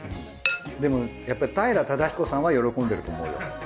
でもやっぱ平忠彦さんは喜んでると思うよ。